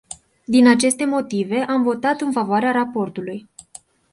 Din aceste motive, am votat în favoarea raportului.